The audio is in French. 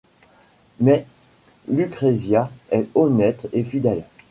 Mais Lucrezia est honnête et fidèle.